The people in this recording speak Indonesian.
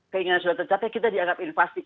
keinginan sudah tercapai kita dianggap invasi